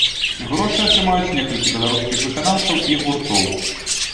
Грошы атрымаюць некалькі беларускіх выканаўцаў і гуртоў.